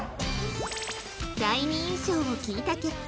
第二印象を聞いた結果